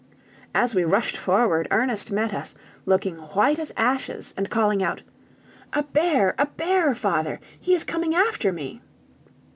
As we rushed forward, Ernest met us, looking white as ashes, and calling out: "A bear, a bear, father! He is coming after me!"